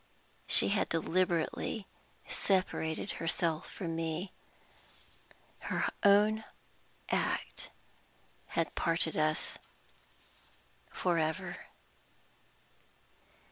She had deliberately separated herself from me; her own act had parted us forever.